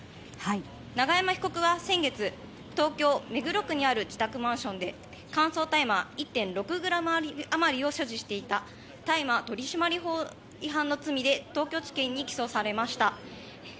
永山被告は先月東京・目黒区にある自宅マンションで乾燥大麻１．６ｇ余りを所持していた大麻取締法違反の罪で東京地検に起訴されました。